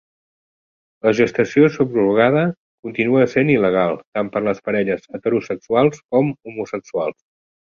La gestació subrogada continua essent il·legal tant per a parelles heterosexuals com homosexuals.